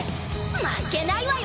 負けないわよ！